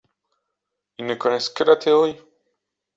Ils ne connaissent que la théorie !…